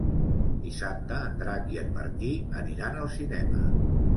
Dissabte en Drac i en Martí aniran al cinema.